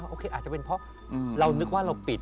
โอเคอาจจะเป็นเพราะเรานึกว่าเราปิด